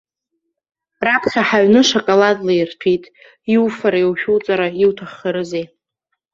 Раԥхьа ҳаҩны шоколадла ирҭәит, иуфара, иушәуҵара иуҭаххарызеи.